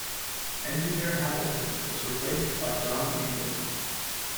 Engineer Hamilton was replaced by John England.